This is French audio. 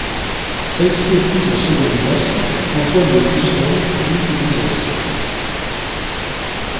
Celle-ci épouse en secondes noces, Antoine de Crussol, Duc d'Uzes.